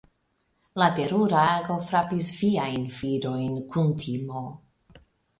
La terura ago frapis viajn virojn kun timo.